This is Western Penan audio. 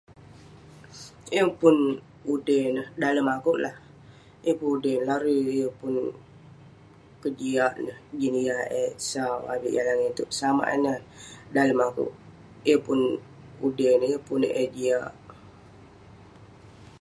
Yeng pun udey neh dalem akouk lah. Yeng pun udey neh, larui yeng pun kejiak neh. Jin yah eh sau avik yah langit itouk, samak ineh. Dalem akouk, yeng udey neh, yeng pun eh jiak.